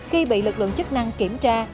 khi bị lực lượng chức năng kiểm tra